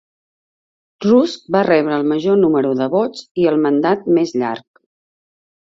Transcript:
Rusk va rebre el major número de vots i el mandat més llarg.